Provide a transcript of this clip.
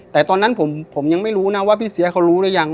แต่ตอนนั้นผมยังไม่รู้นะว่าพี่เสียเขารู้หรือยัง